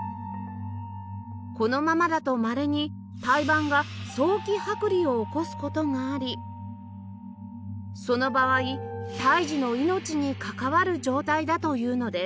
このままだとまれに胎盤が早期剥離を起こす事がありその場合胎児の命に関わる状態だというのです